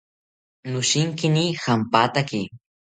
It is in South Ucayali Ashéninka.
Noshinkini jampataki